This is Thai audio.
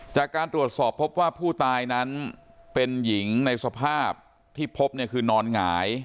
จากการตรวจสอบพบว่าผู้ตายนั้นเป็นหญิงในสภาพที่พบเนี่ยคือนอนหงาย